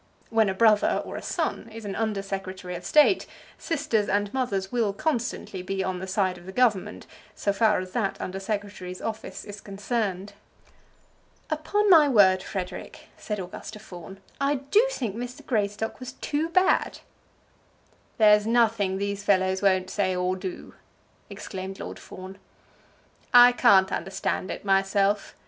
When a brother or a son is an Under Secretary of State, sisters and mothers will constantly be on the side of the Government, so far as that Under Secretary's office is concerned. "Upon my word, Frederic," said Augusta Fawn, "I do think Mr. Greystock was too bad." "There's nothing these fellows won't say or do," exclaimed Lord Fawn. "I can't understand it myself.